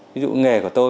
ví dụ nghề của tôi